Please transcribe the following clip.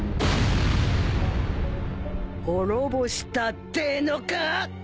滅ぼしたってぇのか？